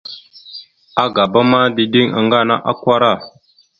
Agaba ma, dideŋ aŋga ana akwara.